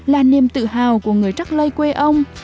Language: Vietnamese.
là niềm tự hào của người trắc lây quê ông